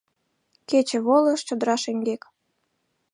Кече волыш чодыра шеҥгек